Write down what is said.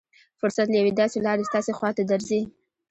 فرصت له يوې داسې لارې ستاسې خوا ته درځي.